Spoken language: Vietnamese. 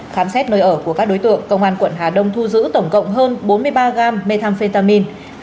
khám xét nơi ở của các đối tượng công an quận hà đông thu giữ tổng cộng hơn bốn mươi ba gam methamphetamine